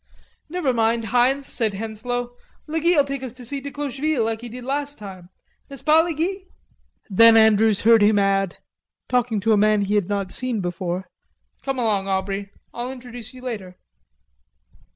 "Never mind, Heinz," said Henslowe, "le Guy'll take us to see de Clocheville like he did last time, n'est pas, le Guy?" Then Andrews heard him add, talking to a man he had not seen before, "Come along Aubrey, I'll introduce you later."